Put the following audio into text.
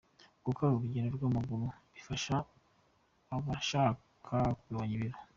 Gukora urugendo rw’amaguru bifasha abashaka kugabanya ibiro